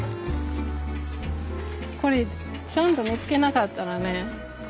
これちゃんと見つけなかったらね